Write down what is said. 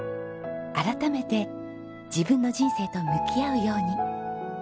改めて自分の人生と向き合うように。